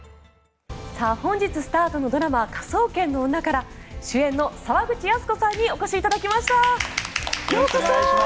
本日スタートのドラマ「科捜研の女」から主演の沢口靖子さんにお越しいただきました。